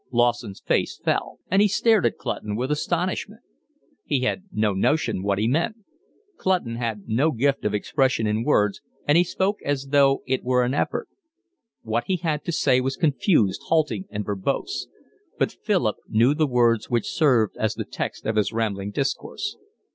Lawson's face fell, and he stared at Clutton with astonishment: he had no notion what he meant, Clutton had no gift of expression in words, and he spoke as though it were an effort. What he had to say was confused, halting, and verbose; but Philip knew the words which served as the text of his rambling discourse.